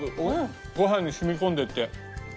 ご飯に染み込んでて。